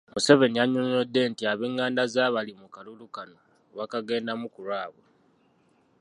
Museveni yannyonnyodde nti ab'enganda ze abali mu kalulu kano bakagendamu ku lwabwe.